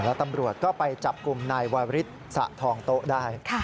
แล้วตำรวจก็ไปจับกลุ่มนายวาริสสะทองโต๊ะได้